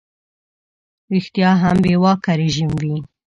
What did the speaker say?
ریشتیا هم بې واکه رژیم وي.